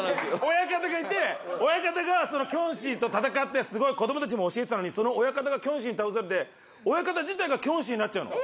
親方がいて親方がそのキョンシーと戦ってすごい子どもたちにも教えてたのにその親方がキョンシーに倒されて親方自体がキョンシーになっちゃうの。